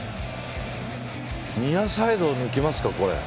ニアサイドを抜きますか。